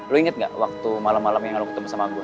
lo inget gak waktu malem malem yang lo ketemu sama gue